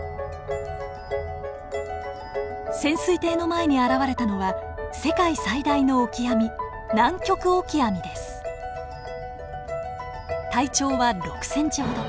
潜水艇の前に現れたのは世界最大のオキアミ体長は６ｃｍほど。